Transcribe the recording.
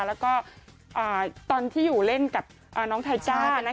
แล้วก็ตอนที่อยู่เล่นกับน้องไทจ้า